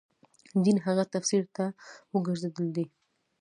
دین هغه تفسیر ته ورګرځېدل دي.